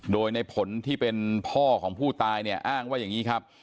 โดยในผลที่เป็นพ่อของผู้ตายเนี่ยอ้างว่าอย่างนี้ครับ